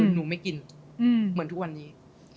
หนูไม่กินเหมือนทุกวันนี้